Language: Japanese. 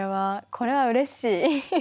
これはうれしい！